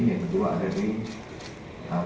yang pertama di dada